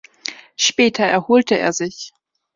Später erholte er sich.